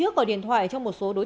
dẫn đến chết người